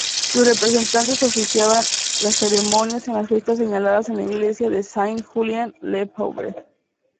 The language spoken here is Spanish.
Sus representantes oficiaban las ceremonias en las fiestas señaladas en la iglesia de Saint-Julien-le-Pauvre.